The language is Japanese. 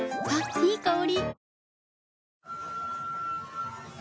いい香り。